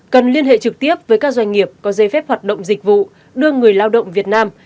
cần liên hệ trực tiếp với các doanh nghiệp có dây phép hoạt động dịch vụ đưa người lao động việt nam